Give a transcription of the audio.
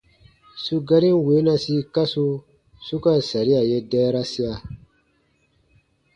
Su garin weenasi kasu su ka saria ye dɛɛrasia :